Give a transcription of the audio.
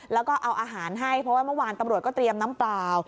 แล้วก็เอาอาหารให้เพราะว่าเมื่อวานตำรวจก็เตรียมน้ำเปล่า